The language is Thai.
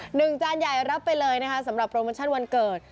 จานใหญ่รับไปเลยนะคะสำหรับโปรโมชั่นวันเกิด